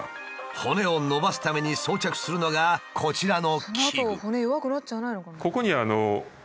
骨を伸ばすために装着するのがこちらの器具。